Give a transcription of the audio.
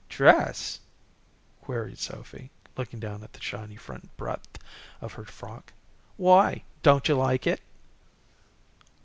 "Dress?" queried Sophy, looking down at the shiny front breadth of her frock. "Why? Don't you like it?"